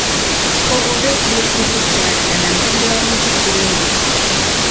kokopet piik sikik kwai anan tilionutik che legit